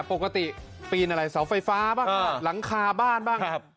ปกติปีนอะไรเสาไฟฟ้าบ้างหลังคาบ้านบ้าง